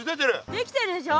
できてるでしょ？